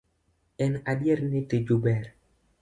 En adier ni tiju ber.